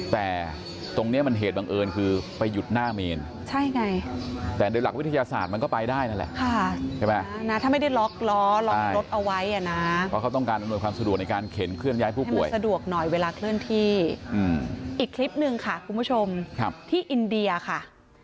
แต่ตรงนี้มันเหตุบังเอิญคือไปหยุดหน้าเมนใช่ไงแต่โดยหลักวิทยาศาสตร์มันก็ไปได้นั่นแหละใช่ไหมนะถ้าไม่ได้ล็อกล้อล็อกรถเอาไว้อ่ะนะเพราะเขาต้องการอำนวยความสะดวกในการเข็นเคลื่อนย้ายผู้ป่วยสะดวกหน่อยเวลาเคลื่อนที่อีกคลิปหนึ่งค่ะคุณผู้ชมที่อินเดียค่ะ